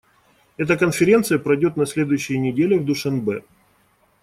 Эта Конференция пройдет на следующей неделе в Душанбе.